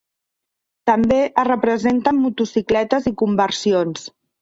També es representen motocicletes i conversions.